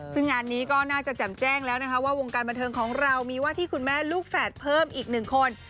ซึ่งงานนี้ก็น่าจะแจ่มแจ้งแล้วนะคะว่าวงการบันเทิงของเรามีว่าที่คุณแม่ลูกแฝดเพิ่มอีกหนึ่งคน